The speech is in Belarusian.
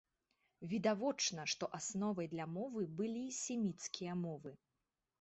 Відавочна, што асновай для мовы былі семіцкія мовы.